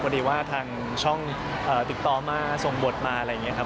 พอดีว่าทางช่องติดต่อมาส่งบทมาอะไรอย่างนี้ครับ